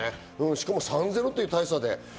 しかも３対０という大差で。